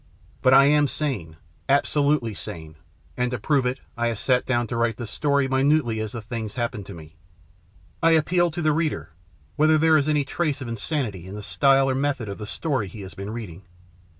But I am sane, absolutely sane, and to prove it I have sat down to write this story minutely as the things happened to me. I appeal to the reader, whether there is any trace of insanity in the style or method of the story he has been reading.